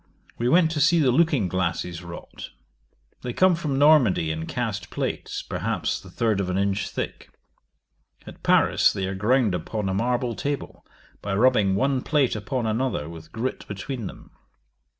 We went to see the looking glasses wrought. They come from Normandy in cast plates, perhaps the third of an inch thick. At Paris they are ground upon a marble table, by rubbing one plate upon another with grit between them.